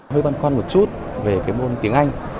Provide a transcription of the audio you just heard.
hơi băn khoăn một chút về cái môn tiếng anh